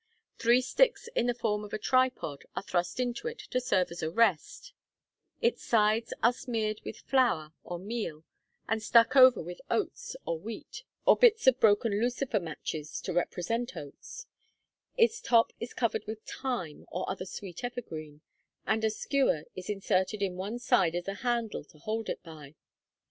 Three sticks in the form of a tripod are thrust into it to serve as a rest; its sides are smeared with flour or meal, and stuck over with oats or wheat, or bits of broken lucifer matches to represent oats; its top is covered with thyme or other sweet evergreen, and a skewer is inserted in one side as a handle to hold it by.